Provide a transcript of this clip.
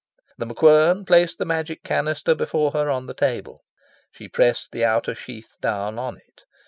The MacQuern placed the Magic Canister before her on the table. She pressed the outer sheath down on it.